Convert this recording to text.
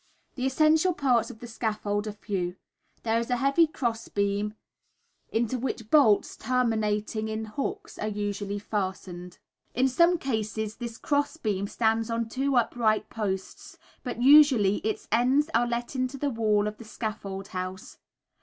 The essential parts of the scaffold are few. There is a heavy cross beam, into which bolts terminating in hooks are usually fastened. In some cases this cross beam stands on two upright posts, but usually its ends are let into the walls of the scaffold house.